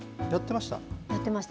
やってました。